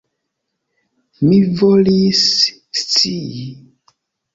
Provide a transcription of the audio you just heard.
Mi volis scii!